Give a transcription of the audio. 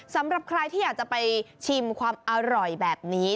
สำหรับใครที่อยากจะไปชิมความอร่อยแบบนี้